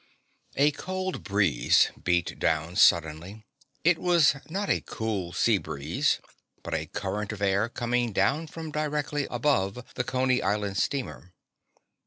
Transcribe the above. A cold breeze beat down suddenly. It was not a cool sea breeze, but a current of air coming down from directly above the Coney Island steamer.